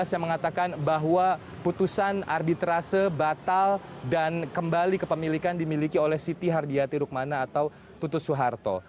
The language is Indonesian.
dua ribu enam belas yang mengatakan bahwa putusan ardi terase batal dan kembali kepemilikan dimiliki oleh siti hardiatu nukmana atau tutut suharto